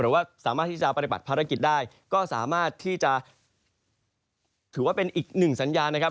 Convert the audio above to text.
หรือว่าสามารถที่จะปฏิบัติภารกิจได้ก็สามารถที่จะถือว่าเป็นอีกหนึ่งสัญญานะครับ